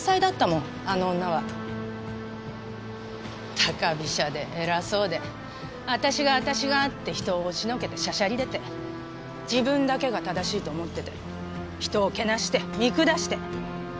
高飛車で偉そうで私が私がって人を押しのけてしゃしゃり出て自分だけが正しいと思ってて人をけなして見下して。